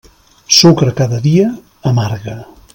Sucre cada dia, amarga.